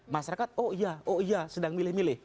masyarakat oh iya oh iya sedang milih milih